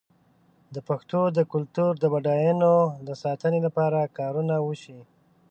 د پښتو د کلتور د بډاینو د ساتنې لپاره کارونه وشي.